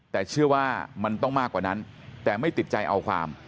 แต่เชื่อว่ามันต้องมากกว่านั้นแต่ไม่ติดใจเอาความ